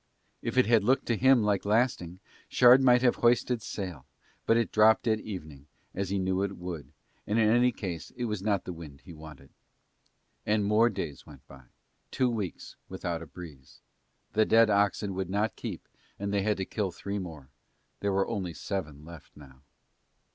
If it had looked to him like lasting Shard might have hoisted sail but it it dropped at evening as he knew it would, and in any case it was not the wind he wanted. And more days went by, two weeks without a breeze. The dead oxen would not keep and they had had to kill three more, there were only seven left now.